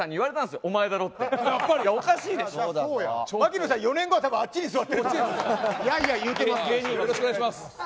よろしくお願いします。